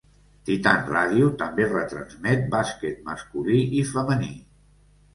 Titan Radio també retransmet bàsquet masculí i femení.